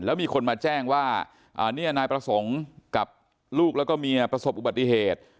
แล้วมีคนแจ้งว่านายประสงค์ลูกและเมียพยายามประสบอุบัติเหตุ